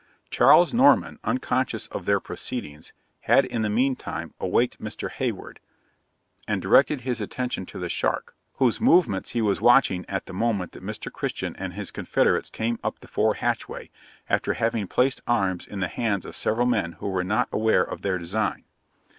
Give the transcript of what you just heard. Charles Norman, unconscious of their proceedings, had in the meantime awaked Mr. Hayward, and directed his attention to the shark, whose movements he was watching at the moment that Mr. Christian and his confederates came up the fore hatchway, after having placed arms in the hands of several men who were not aware of their design.